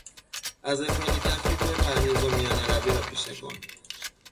از افراط و تفریط بپرهیز و میانه روی را پیشه کن.